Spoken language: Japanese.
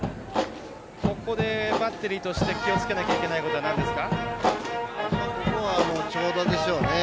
ここでバッテリーとして気をつけなきゃいけないことはここは長打ですよね。